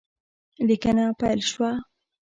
لیکنه پیل شوه